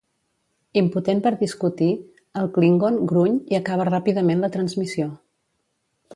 Impotent per discutir, el klingon gruny i acaba ràpidament la transmissió.